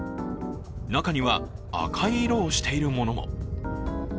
中には、赤い色をしているものも。